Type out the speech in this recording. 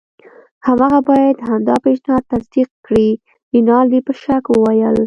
هماغه باید همدا پیشنهاد تصدیق کړي. رینالډي په شک وویل.